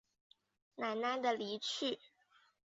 奶奶的离去